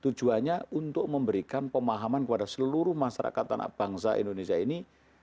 tujuannya untuk memberikan pemahaman kepada seluruh masyarakat anak bangsa indonesia ini